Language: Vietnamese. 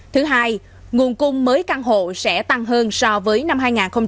thứ hai nguồn cung mới căn hộ sẽ tăng hơn so với năm hai nghìn hai mươi hai